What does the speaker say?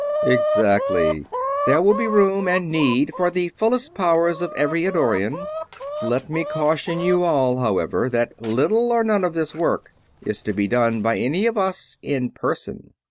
"Exactly. There will be room, and need, for the fullest powers of every Eddorian. Let me caution you all, however, that little or none of this work is to be done by any of us in person.